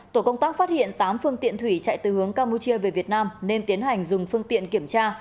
tổ công tác phát hiện tám phương tiện thủy chạy từ hướng campuchia về việt nam nên tiến hành dùng phương tiện kiểm tra